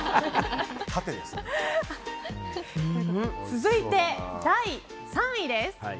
続いて、第３位です。